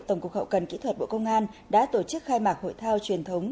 tổng cục hậu cần kỹ thuật bộ công an đã tổ chức khai mạc hội thao truyền thống